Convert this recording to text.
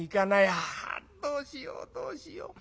ああどうしようどうしよう。